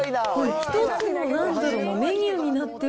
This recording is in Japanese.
一つのなんだろう、メニューになってる。